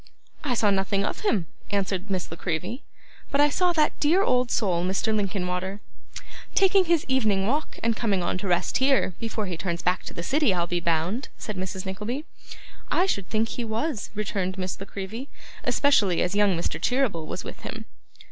'I saw nothing of him,' answered Miss La Creevy; 'but I saw that dear old soul Mr. Linkinwater.' 'Taking his evening walk, and coming on to rest here, before he turns back to the city, I'll be bound!' said Mrs. Nickleby. 'I should think he was,' returned Miss La Creevy; 'especially as young Mr. Cheeryble was with him.